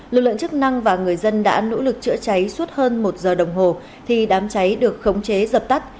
lực lượng chức năng và người dân đã nỗ lực chữa cháy suốt hơn một giờ đồng hồ thì đám cháy được khống chế dập tắt